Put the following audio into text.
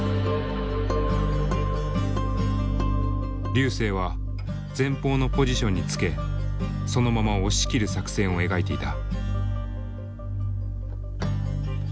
瑠星は前方のポジションにつけそのまま押し切る作戦を描いていた。